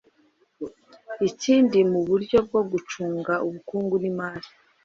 Ikindi mu buryo bwo gucunga ubukungu n'imari